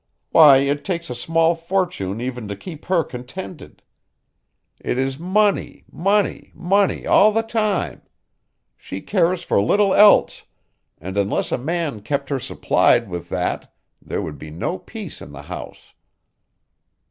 Why, it takes a small fortune even to keep her contented. It is money, money, money, all the time. She cares for little else, and unless a man kept her supplied with that there would be no peace in the house."